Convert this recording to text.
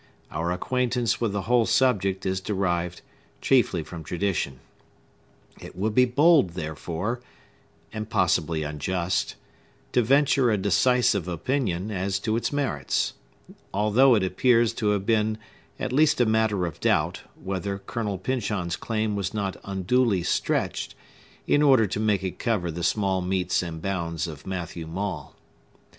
Our acquaintance with the whole subject is derived chiefly from tradition. It would be bold, therefore, and possibly unjust, to venture a decisive opinion as to its merits; although it appears to have been at least a matter of doubt, whether Colonel Pyncheon's claim were not unduly stretched, in order to make it cover the small metes and bounds of Matthew Maule.